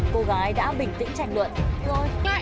cô gái đã bình tĩnh trành luận